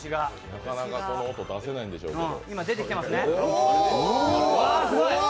なかなか、この音出せないんでしょうけど。